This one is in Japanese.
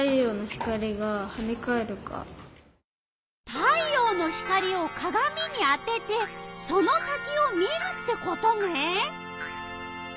太陽の光をかがみにあててその先を見るってことね。